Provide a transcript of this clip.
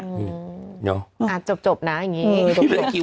อ่าจบนะอย่างเงี้ย